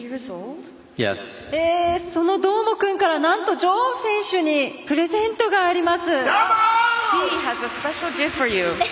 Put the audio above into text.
そのどーもくんからなんとジョウ選手にプレゼントがあります。